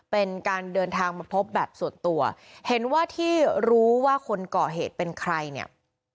เป็นการเดินทางมาพบแบบส่วนตัวเห็นว่าที่รู้ว่าคนก่อเหตุเป็นใครเนี่ย